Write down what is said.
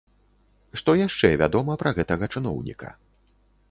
Што яшчэ вядома пра гэтага чыноўніка?